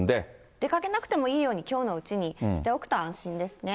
出かけなくてもいいように、きょうのうちにしておくと安心ですね。